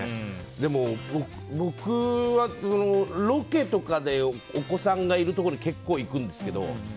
でも、僕はロケとかでお子さんがいるところに結構行くんですけど。